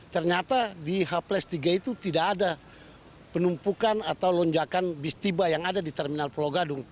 ternyata di h tiga itu tidak ada penumpukan atau lonjakan bis tiba yang ada di terminal pulau gadung